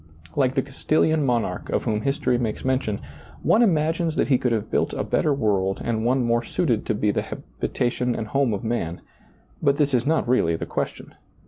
Like the Castilian monarch of whom history makes mention, one imagines that he could have built a better world and one more suited to be the habi tation and home of man ; but this is not realty the question.